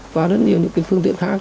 qua rất nhiều những cái phương tiện khác